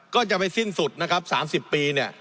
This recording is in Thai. ก็จะไปสิ้นสุด๓๐ปี